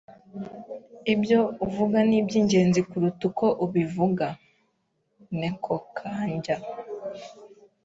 Ibyo uvuga nibyingenzi kuruta uko ubivuga. (NekoKanjya)